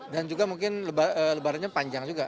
dan juga mungkin lebarannya panjang juga